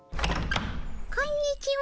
こんにちは。